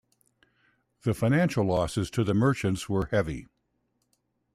The financial losses to the merchants were heavy.